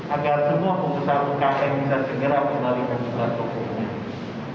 agar semua pemusaha ruka yang bisa segera membalikan kembali ke sekolah